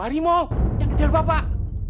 harimau yang kejar bapak